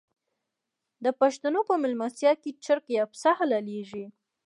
د پښتنو په میلمستیا کې چرګ یا پسه حلاليږي.